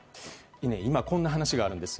今、こんな話があるんです。